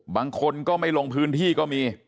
บางคนก็ไม่ลงพื้นที่ก็มี